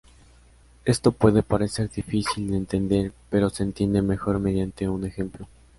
Esto puede parecer difícil de entender, pero se entiende mejor mediante un ejemplo.